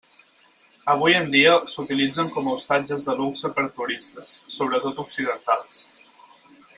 Avui en dia s'utilitzen com a hostatges de luxe per a turistes, sobretot occidentals.